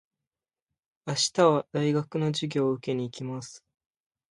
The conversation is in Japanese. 明日は大学の授業を受けに行きます。